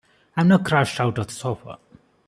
I'm now crashed out on the sofa!